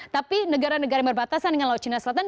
tapi negara negara yang berbatasan dengan laut cina selatan